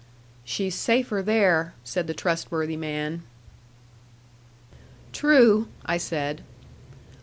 "She's safer there," said the trustworthy man. "True," I said.